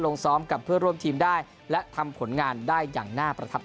ลงซ้อมกับเพื่อร่วมทีมได้และทำผลงานได้อย่างน่าประทับ